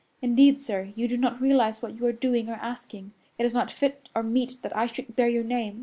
Indeed, sir, you do not realize what you are doing or asking. It is not fit or meet that I should bear your name.